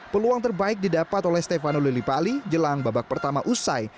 peluang terbaik didapat oleh stefano lillipali jelang babak pertama usai